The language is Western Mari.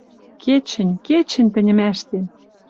Кечӹнь, кечӹнь тӹньӹм ӓштем